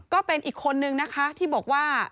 ก็เป็นอีกคนนึงนะคะที่บอกว่า